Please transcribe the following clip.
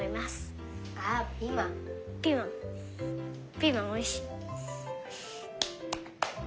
ピーマンおいしい。